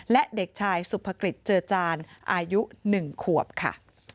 และเด็กชายสุภกฤษเจอจานอายุ๑ขวบค่ะ